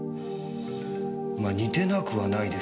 まあ似てなくはないですけど。